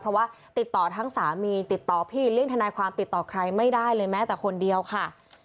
เพราะว่าติดต่อทั้งสามีติดต่อพี่เลี่ยงทนายความติดต่อใครไม่ได้เลยแม้แต่คนเดียวค่ะ